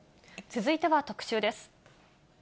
続いては特集です。